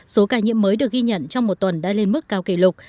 số ca nhiễm mới được ghi nhận trong một tuần đã lên mức cao kỷ lục